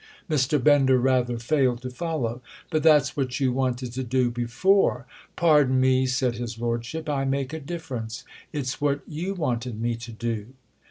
Mr. Bender rather failed to follow. "But that's what you wanted to do before." "Pardon me," said his lordship—"I make a difference. It's what you wanted me to do."